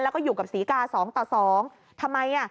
แล้วก็อยู่กับศรีกาสองต่อสองทำไมอ่ะ